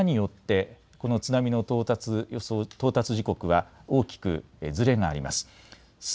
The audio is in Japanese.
島によってこの津波の到達予想到達時刻は大きくずれがあります。